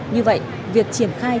như vậy việc triển khai